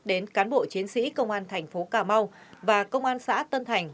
đến cán bộ chiến sĩ công an thành phố cà mau và công an xã tân thành